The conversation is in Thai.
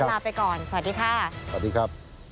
ลาไปก่อนสวัสดีค่ะ